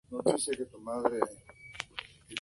El estadio es un campo multiusos.